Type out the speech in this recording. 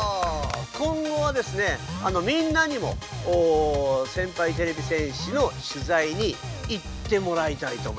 今後はですねあのみんなにも先輩てれび戦士のしゅざいに行ってもらいたいと思います。